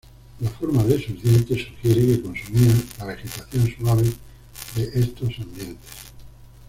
La forma de sus dientes sugiere que consumían la vegetación suave del estos ambientes.